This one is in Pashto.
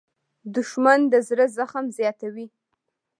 دښمن د زړه زخم زیاتوي